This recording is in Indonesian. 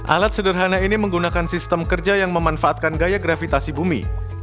alat sederhana ini menggunakan sistem kerja yang memanfaatkan gaya gravitasi bumi